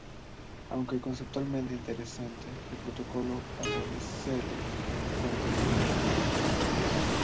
Aunque conceptualmente interesante, el protocolo adolece de falta de generalidad.